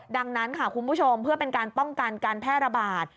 ดังนั้นค่ะคุณผู้ชมเพื่อเป็นการป้องกันการแพร่ระบาด